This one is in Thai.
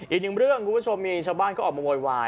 อีกหนึ่งเรื่องคุณผู้ชมมีชาวบ้านก็ออกมาโวยวาย